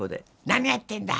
「何やってんだ！